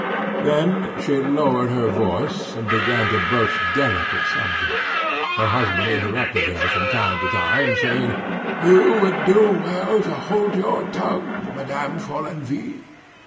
Then she lowered her voice, and began to broach delicate subjects. Her husband interrupted her from time to time, saying: "You would do well to hold your tongue, Madame Follenvie."